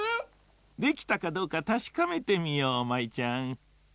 できたかどうかたしかめてみよう舞ちゃん。